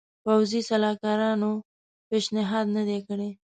پوځي سلاکارانو پېشنهاد نه دی کړی.